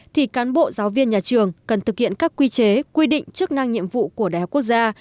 thì cán bộ giáo viên nhà trường cần thực hiện các quy chế quy định chức năng nhiệm vụ của đại học quốc gia